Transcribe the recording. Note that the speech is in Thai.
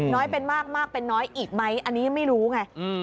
น้อยเป็นมากมากเป็นน้อยอีกไหมอันนี้ไม่รู้ไง